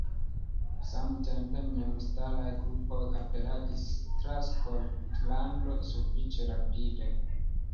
Samtempe memstaraj grupoj aperadis tra Skotlando sufiĉe rapide.